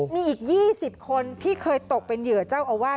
มีอีก๒๐คนที่เคยตกเป็นเหยื่อเจ้าอาวาส